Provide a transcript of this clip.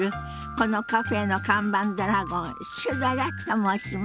このカフェの看板ドラゴンシュドラと申します。